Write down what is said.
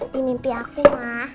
di mimpi aku mas